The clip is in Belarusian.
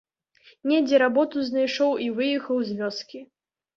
Недзе работу знайшоў і выехаў з вёскі.